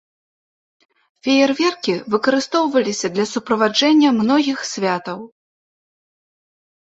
Феерверкі выкарыстоўваліся для суправаджэння многіх святаў.